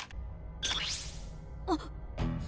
あっ。